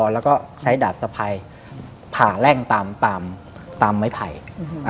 แล้วก็ใช้ดาบสภัยพาแร่งตามไม่ไผ่อืม